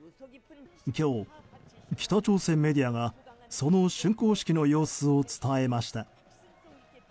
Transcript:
今日、北朝鮮メディアがその竣工式の様子を伝えました。